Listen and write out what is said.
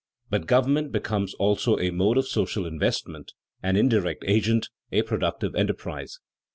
But government becomes also a mode of social investment, an indirect agent, a productive enterprise.